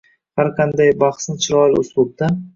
har qanday bahsni chiroyli uslubda